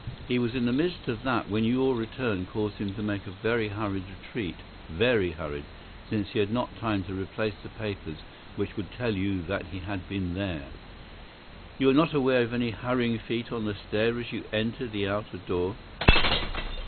He was in the midst of that when your return caused him to make a very hurried retreat—VERY hurried, since he had not time to replace the papers which would tell you that he had been there. You were not aware of any hurrying feet on the stair as you entered the outer door?"